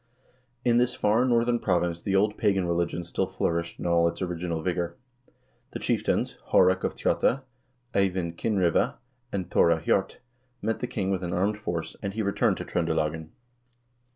In this far northern prov ince the old pagan religion still flourished in all its original vigor. The chieftains, Haarek of Tjotta, Eyvind Kinnriva, and Thore Hjort, met the king with an armed force, and he returned to Tr0nde lagen.